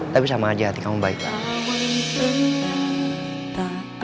tapi sama aja hati kamu baik banget